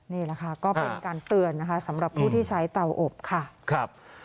นี่แหละค่ะก็เป็นการเตือนนะคะสำหรับผู้ที่ใช้เตาอบค่ะครับ